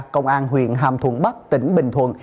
công an huyện hàm thuận bắc tỉnh bình thuận